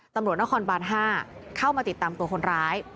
ตำรวจนครบาน๕เข้ามาติดตามตัวคนร้าย